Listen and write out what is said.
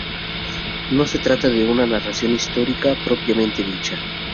No se trata de una narración histórica propiamente dicha.